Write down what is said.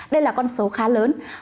đây là con số khá lớn